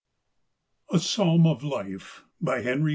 "A Psalm of Life," by Henry W.